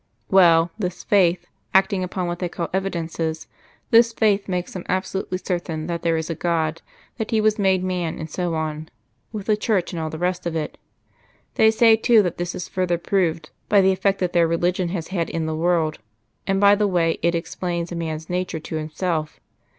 "Well, this Faith, acting upon what they call Evidences this Faith makes them absolutely certain that there is a God, that He was made man and so on, with the Church and all the rest of it. They say too that this is further proved by the effect that their religion has had in the world, and by the way it explains man's nature to himself.